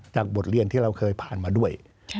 บทเรียนที่เราเคยผ่านมาด้วย